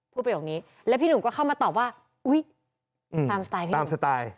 พูดไปแบบนี้แล้วพี่หนุ่มก็เข้ามาตอบว่าอุ้ยอืมตามสไตล์ตามสไตล์